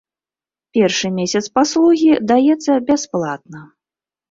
Першы месяц паслугі даецца бясплатна.